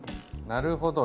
なるほど。